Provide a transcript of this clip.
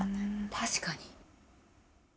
確かに。